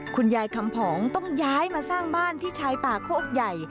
คุณยายคำผองต้องย้ายมาสร้างบ้านที่ชายป่าโคกใหญ่